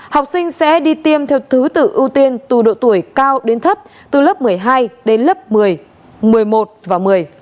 học sinh sẽ đi tiêm theo thứ tự ưu tiên từ độ tuổi cao đến thấp từ lớp một mươi hai đến lớp một mươi một mươi một và một mươi